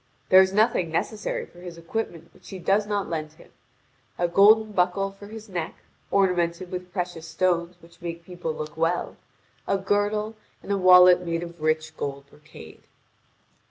There is nothing necessary for his equipment which she does not lend to him: a golden buckle for his neck, ornamented with precious stones which make people look well, a girdle, and a wallet made of rich gold brocade.